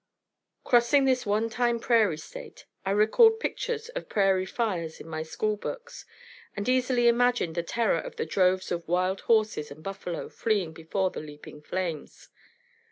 Crossing this one time prairie state, I recalled pictures of prairie fires in my school books, and easily imagined the terror of the droves of wild horses and buffalo, fleeing before the leaping flames.